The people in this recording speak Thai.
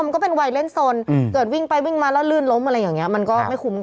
ครูเล็กหลักทำหน้าไม่ถูก